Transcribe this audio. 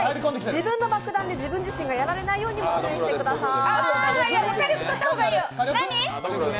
自分の爆弾で自分自身がやられないようにも注意してください。